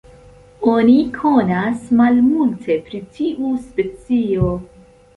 Oni konas malmulte pri tiu specio.